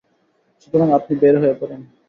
সুতরাং আপনি বের হয়ে পড়েন।